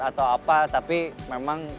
atau apa tapi memang